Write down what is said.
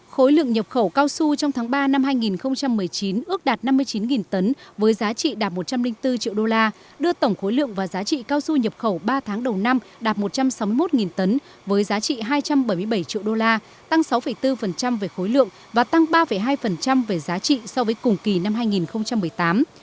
khối lượng nhập khẩu cao su trong tháng ba năm hai nghìn một mươi chín ước đạt năm mươi chín tấn với giá trị đạt một trăm linh bốn triệu đô la đưa tổng khối lượng và giá trị cao su nhập khẩu ba tháng đầu năm đạt một trăm sáu mươi một tấn với giá trị hai trăm bảy mươi bảy triệu đô la tăng sáu bốn về khối lượng và tăng ba hai về giá trị so với cùng kỳ năm hai nghìn một mươi tám